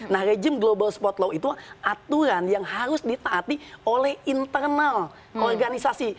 nah rejim global spot law itu aturan yang harus ditaati oleh internal organisasi